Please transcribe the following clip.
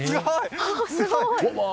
すごい。